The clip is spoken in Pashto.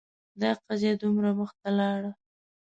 دا قضیه دومره مخته لاړه